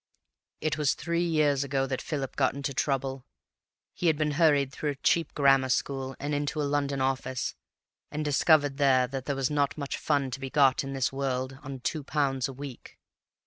"It was three years ago that Philip got into trouble. He had been hurried through a cheap grammar school and into a London office, and discovered there that there was not much fun to be got in this world on two pounds a week.